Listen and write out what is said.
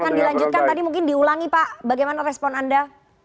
akan dilanjutkan tadi mungkin diulangi pak bagaimana respon anda